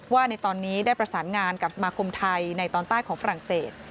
ว่าในตอนนี้ได้ประสานงานกับสมาคมไทยในตอนใต้ของฝรั่งเศส